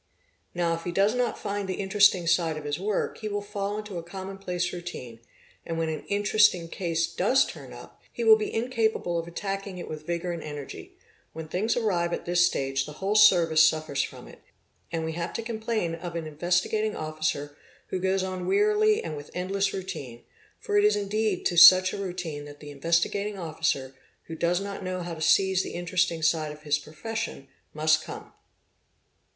Now if he does not find the interesting side of his work, he will fall into a common place routine, and, when an "interesting case" does turn up, he will be incapable of attacking it with vigour and _ energy; when things arrive at this stage the whole service suffers from it, _and we have to complain of an Investigating Officer who goes on wearily 'and with endless routine; for it is indeed to such a routine that the Investigating Officer, who does not know how to seize the interesting 'side of his profession, must come.